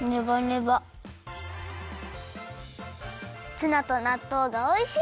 ツナとなっとうがおいしい！